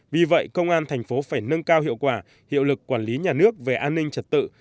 vì vậy công an thành phố phải nâng cao hiệu quả hiệu lực quản lý nhà nước về an ninh trật tự